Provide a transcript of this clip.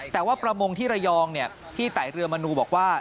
แต่ว่าประมงที่ระยองพี่ไต่เรือมนูบอกว่า